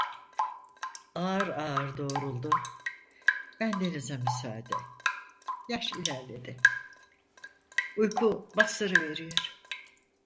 Ağır ağır doğruldu: "Bendenize müsaade… Yaş ilerledi, uyku bastırıveriyor."